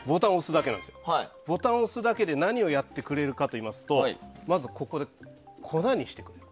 ボタンを押すだけで何をやってくれるかといいますとまず、粉にしてくれる。